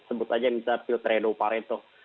sebut aja misalnya filtredo pareto